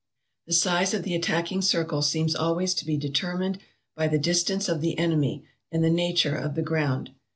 " The size of the attacking circle seems always to be deter mined by the distance of the enemy and the nature of the ground.